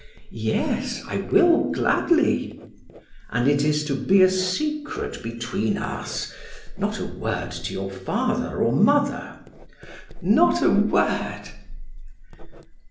"Yes, I will gladly." "And it is to be a secret between us not a word to your father or mother." "Not a word."